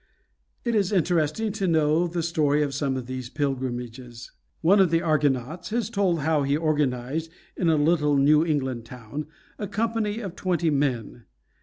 It is interesting to know the story of some of these pilgrimages. One of the Argonauts has told how he organized, in a little New England town, a company of twenty men.